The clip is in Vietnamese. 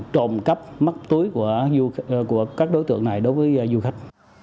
trộm cắp mắc tối của các đối tượng này đối với du khách